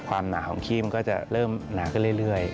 ความหนาของขี้มันก็จะเริ่มหนาก็เรื่อย